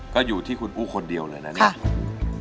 ก็อยู่ที่คุณอู้คนเดียวเลยนะเนี่ย